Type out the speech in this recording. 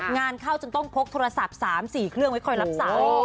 งานเข้าจนต้องพกโทรศัพท์๓๔เครื่องไว้คอยรับสาย